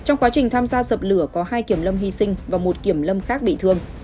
trong quá trình tham gia dập lửa có hai kiểm lâm hy sinh và một kiểm lâm khác bị thương